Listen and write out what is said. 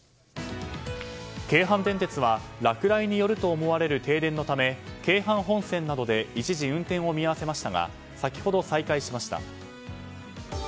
京阪電鉄は落雷によると思われる停電のため京阪本線などで一時運転の見合わせをしましたが先ほど再開しました。